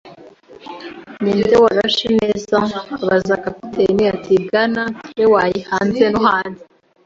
“Ninde warashe neza?” abaza kapiteni. Ati: “Bwana Trelawney, hanze no hanze. ”